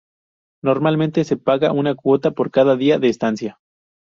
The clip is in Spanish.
Normalmente se paga una cuota por cada día de estancia.